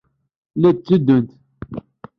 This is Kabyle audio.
La d-teddunt.